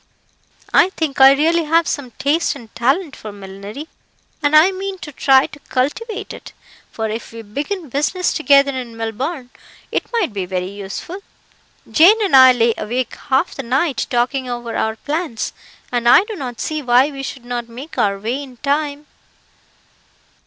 I think I really have some taste and talent for millinery, and I mean to try to cultivate it; for if we begin business together in Melbourne, it may be very useful. Jane and I lay awake half the night, talking over our plans, and I do not see why we should not make our way in time."